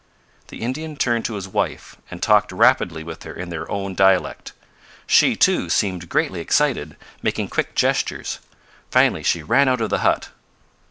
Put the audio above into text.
The Indian turned to his wife and talked rapidly with her in their own dialect. She, too, seemed greatly excited, making quick gestures. Finally she ran out of the hut.